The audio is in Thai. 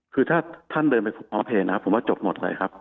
คือถ้าท่านเดินไปพร้อมเพลย์นะครับผมว่าจบหมดเลยครับ